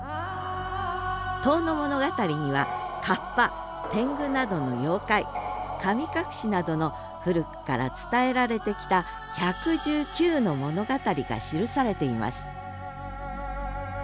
「遠野物語」には河童天狗などの妖怪神隠しなどの古くから伝えられてきた１１９の物語が記されています